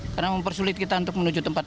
karena mempersulit kita untuk menuju tempat